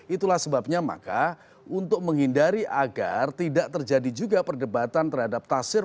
itulah sebabnya maka untuk menghindari agar tidak terjadi juga perdebatan terhadap tasir